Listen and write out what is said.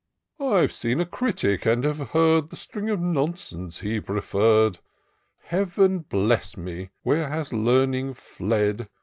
IVe seen a critic, and have heard The string of nonsense he preferred. Heaven bless me! where has Learning fled